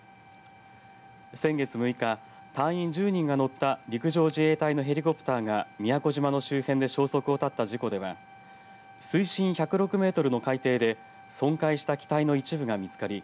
先月６日隊員１０人が乗った陸上自衛隊ヘリコプターが宮古島の周辺で消息を絶った事故では水深１０６メートルの海底で損壊した機体の一部が見つかり